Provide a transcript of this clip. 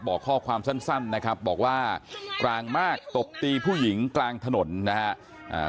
บอกข้อความสั้นนะครับบอกว่ากลางมากตบตีผู้หญิงกลางถนนนะครับ